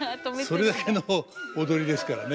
それだけの踊りですからね。